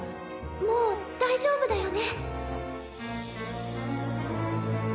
もう大丈夫だよね？